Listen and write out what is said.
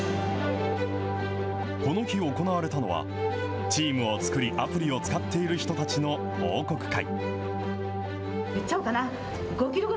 この日、行われたのはチームを作り、アプリを使っている人たちの報告会。